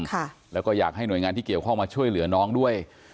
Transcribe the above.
ค่ะแล้วก็อยากให้หน่วยงานที่เกี่ยวข้องมาช่วยเหลือน้องด้วย